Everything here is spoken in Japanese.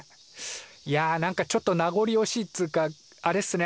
いやなんかちょっと名ごりおしいっつうかあれっすね